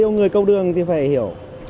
người câu đường thì phải hiểu